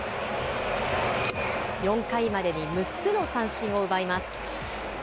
４回までに６つの三振を奪います。